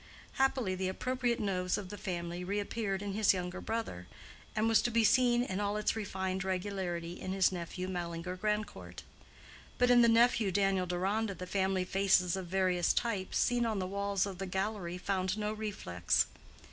Happily the appropriate nose of the family reappeared in his younger brother, and was to be seen in all its refined regularity in his nephew Mallinger Grandcourt. But in the nephew Daniel Deronda the family faces of various types, seen on the walls of the gallery, found no reflex.